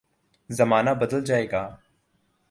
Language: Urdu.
زمانہ بدل جائے گا۔